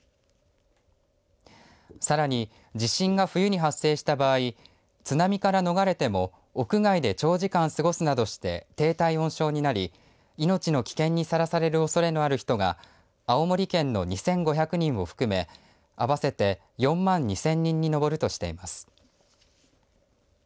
さらに地震が冬に発生した場合津波から逃れても屋外で長時間過ごすなどして低体温症になり命の危険にさらされるおそれのある人が青森県の２５００人を含め合わせて４万２０００人に上るとしています。